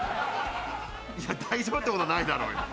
いや、大丈夫ってことないだろうよ。